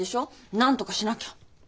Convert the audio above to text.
なんとかしなきゃ。